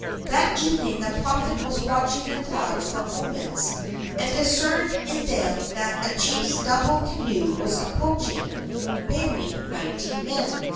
That evening the prophet was watching the clouds for omens, and discerned in them that a chief's double canoe was approaching, bearing nineteen men.